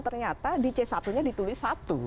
ternyata di c satu nya ditulis satu